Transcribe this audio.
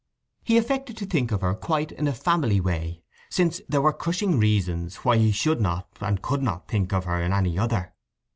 He affected to think of her quite in a family way, since there were crushing reasons why he should not and could not think of her in any other.